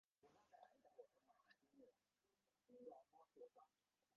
เราจะเปิดมันขึ้นมา